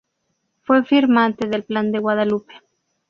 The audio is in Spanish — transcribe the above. Fue firmante del Plan de Guadalupe.